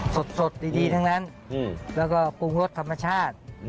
สดดีทั้งนั้นแล้วก็ปรุงรสธรรมชาติ